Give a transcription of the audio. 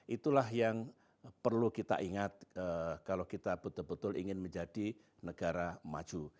itulah yang perlu kita ingat kalau kita betul betul ingin menjadi negara maju